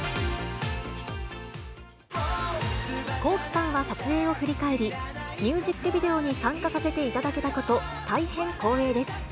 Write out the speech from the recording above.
Ｋｏｋｉ，さんは撮影を振り返り、ミュージックビデオに参加させていただけたこと、大変光栄です。